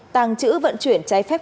tàng trữ vận chuyển trái phép